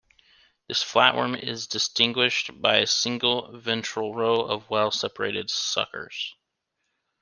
This flatworm is distinguished by a single ventral row of well separated suckers.